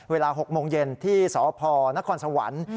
เวลา๖โมงเย็นที่สพนครสวรรค์